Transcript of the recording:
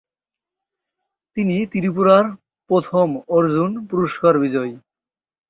তিনি ত্রিপুরার প্রথম অর্জুন পুরষ্কার বিজয়ী।